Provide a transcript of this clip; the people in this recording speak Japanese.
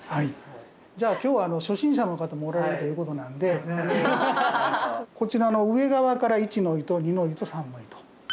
じゃあ今日は初心者の方もおられるということなんでこちらの上側から１の糸２の糸３の糸。